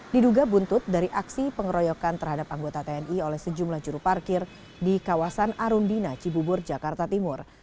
diduga buntut dari aksi pengeroyokan terhadap anggota tni oleh sejumlah juru parkir di kawasan arundina cibubur jakarta timur